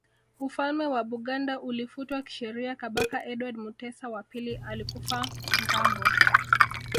Ufalme wa Buganda ulifutwa kisheria Kabaka Edward Mutesa wa pili alikufa ngambo